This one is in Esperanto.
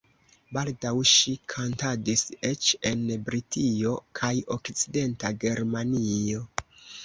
Baldaŭ ŝi kantadis eĉ en Britio kaj Okcidenta Germanio.